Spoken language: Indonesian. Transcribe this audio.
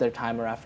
saya tidak berharga